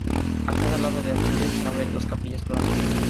A cada lado del ábside se abren dos capillas planas.